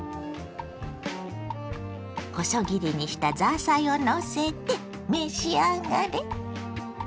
細切りにしたザーサイをのせて召し上がれ。